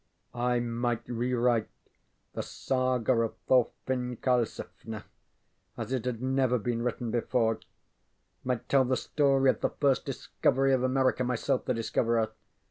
I might rewrite the Saga of Thorfin Karlsefne as it had never been written before, might tell the story of the first discovery of America, myself the discoverer.